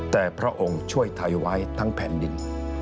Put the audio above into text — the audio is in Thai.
แต่พระองค์ช่วยไทยไว้ทั้งแผ่นดิน